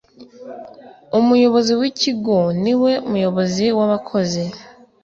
Umuyobozi w’ikigo ni we muyobozi w’abakozi